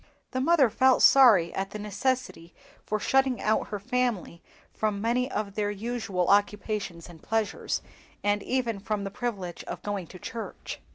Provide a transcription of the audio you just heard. Their mother felt sorry at the necessity for shutting out her family from many of their usual occupations and pleasures, and even from the privilege of going to church.